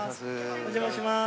お邪魔します。